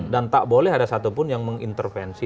dan tak boleh ada satupun yang mengintervensi